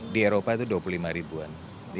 di eropa itu dua puluh lima ribuan